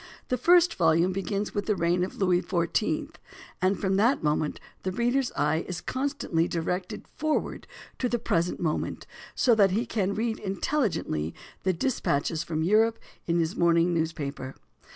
The first volume begins with the reign of Louis XIV; and from that moment the reader's eye is constantly directed forward to the present moment, so that he can read intelligently the dispatches from Europe in his morning newspaper.